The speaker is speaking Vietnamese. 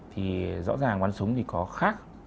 thì rõ ràng văn súng thì có khác